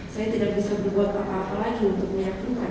saya tidak bisa berbuat apa apa lagi untuk meyakinkan